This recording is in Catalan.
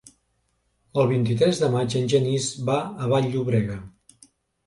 El vint-i-tres de maig en Genís va a Vall-llobrega.